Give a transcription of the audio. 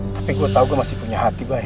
tapi gue tau gue masih punya hati banyak